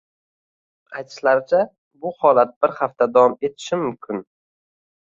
Aytishlaricha, bu holat bir hafta davom etishi mumkin.